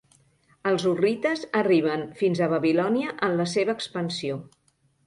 Els hurrites arriben fins a Babilònia en la seva expansió.